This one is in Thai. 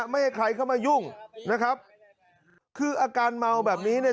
ไม่ให้ใครเข้ามายุ่งนะครับคืออาการเมาแบบนี้เนี่ย